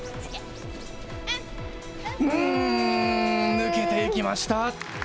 抜けていきました。